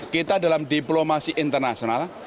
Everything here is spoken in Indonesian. kita dalam diplomasi internasional